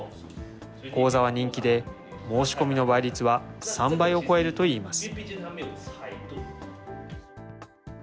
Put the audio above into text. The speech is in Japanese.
講座は人気で、申し込みの倍率は３倍を超えるといいます。